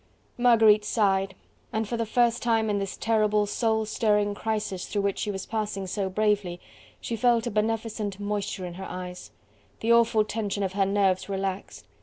Marguerite sighed, and for the first time in this terrible soul stirring crisis through which she was passing so bravely, she felt a beneficent moisture in her eyes: the awful tension of her nerves relaxed.